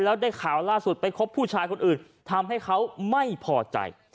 แล้วได้ข่าวล่าสุดไปคบผู้ชายคนอื่นทำให้เขาไม่พอใจ